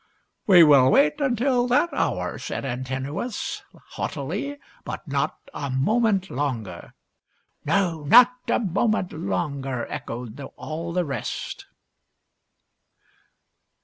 "We will wait until that hour," said Antinous, haughtily ;" but not a moment longer." " No, not a moment longer," echoed all the rest.